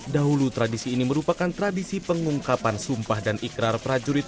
dahulu tradisi ini merupakan tradisi pengungkapan sumpah dan ikrar prajurit